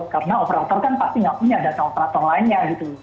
karena operator kan pasti tidak punya data operator lainnya